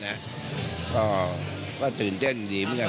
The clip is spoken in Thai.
อันนี้จะต้องจับเบอร์เพื่อที่จะแข่งแข่งกันแล้วคุณละครับ